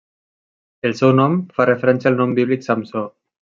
El seu nom fa referència al nom bíblic Samsó.